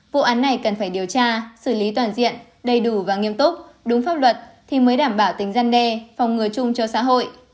vụ án này cần phải điều tra xử lý toàn diện đầy đủ và nghiêm túc đúng pháp luật thì mới đảm bảo tính gian đe phòng ngừa chung cho xã hội